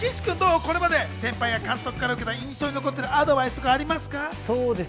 これまで先輩や監督から受けた印象に残っているアドバイスってありますか？